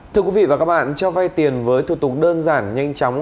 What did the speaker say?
thưa quý vị và các bạn cho vay tiền với thủ tục đơn giản nhanh chóng